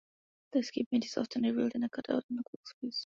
The escapement is often revealed in a cutout on the clock's face.